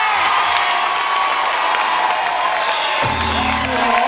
ธรรมมิยุโตง